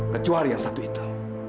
kecuali yang satu itu